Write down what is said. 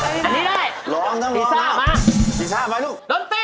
เฮ้ยอันนี้ได้อันนี้ได้ร้องต้องร้องฟิศามาฟิศามาลูกดนตร์มา